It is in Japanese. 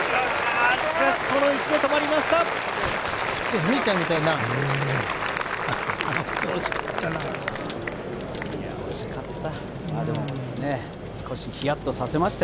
しかし、この位置で止まりました！